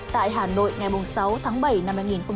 tại hà nội ngày sáu tháng bảy năm hai nghìn hai mươi